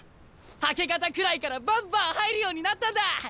明け方くらいからバンバン入るようになったんだ！